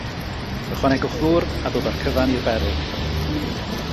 Ychwanegwch ddŵr a dod â'r cyfan i'r berw.